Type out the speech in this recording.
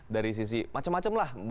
dari sisi macem macem lah